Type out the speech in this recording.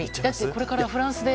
これからフランスで。